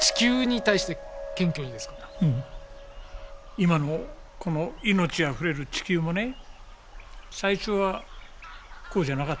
今のこの命あふれる地球もね最初はこうじゃなかったんですから。